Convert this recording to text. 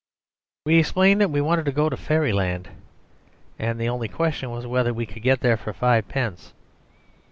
We explained that we wanted to go to fairyland, and the only question was whether we could get there for fivepence.